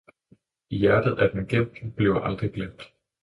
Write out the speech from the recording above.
i hjertet er den gemt, bliver aldrig glemt!